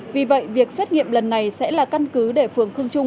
vì vậy việc xét nghiệm lần này sẽ là căn cứ để phường khương trung